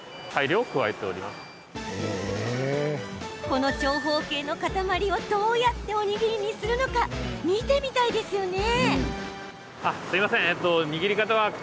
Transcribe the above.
この長方形の塊をどうやっておにぎりにするのか見てみたいですよね。